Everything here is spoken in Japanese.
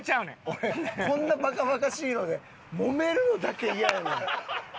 俺こんなバカバカしいのでもめるのだけイヤやねん。